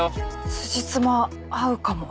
つじつま合うかも。